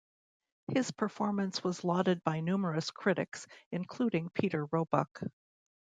His performance was lauded by numerous critics, including Peter Roebuck.